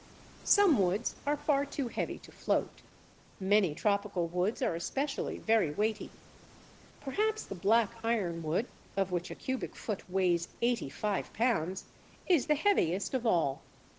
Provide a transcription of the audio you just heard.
Some woods are far too heavy to float: many tropical woods are especially very weighty. Perhaps the Black Ironwood, of which a cubic foot weighs 85 lb., is the heaviest of all.